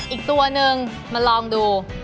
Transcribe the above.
อีกตัวนึงมาลองดู